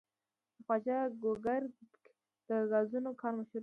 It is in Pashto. د خواجه ګوګردک د ګازو کان مشهور دی.